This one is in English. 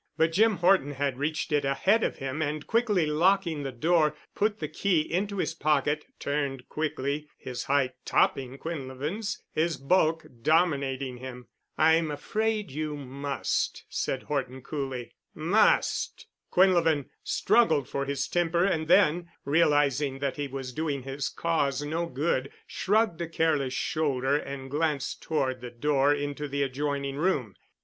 But Jim Horton had reached it ahead of him, and quickly locking the door, put the key into his pocket, turned quickly, his height topping Quinlevin's, his bulk dominating him. "I'm afraid you must," said Horton coolly. "Must——!" Quinlevin struggled for his temper and then, realizing that he was doing his cause no good, shrugged a careless shoulder and glanced toward the door into the adjoining room.